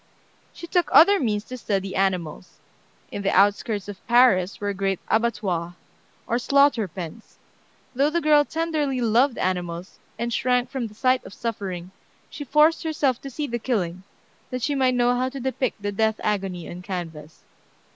She took other means to study animals. In the outskirts of Paris were great abattoirs, or slaughter pens. Though the girl tenderly loved animals, and shrank from the sight of suffering, she forced herself to see the killing, that she might know how to depict the death agony on canvas.